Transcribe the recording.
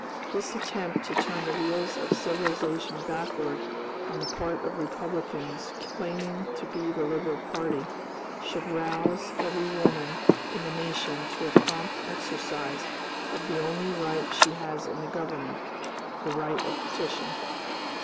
This attempt to turn the wheels of civilization backward, on the part of Republicans claiming to be the liberal party, should rouse every woman in the nation to a prompt exercise of the only right she has in the Government, the right of petition.